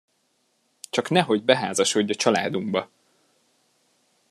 Csak nehogy beházasodj a családunkba!